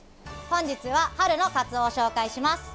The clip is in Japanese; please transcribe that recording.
本日は春のカツオを紹介します。